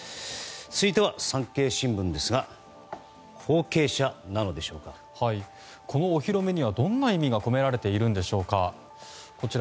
続いては産経新聞ですがこのお披露目にはどんな意味が込められているんでしょうか。